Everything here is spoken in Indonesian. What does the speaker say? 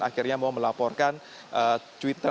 akhirnya mau melaporkan twitter